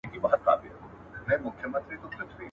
• کار تر کار تېر دئ.